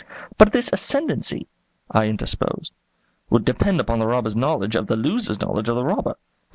"But this ascendency," I interposed, "would depend upon the robber's knowledge of the loser's knowledge of the robber.